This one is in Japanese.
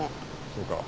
そうか。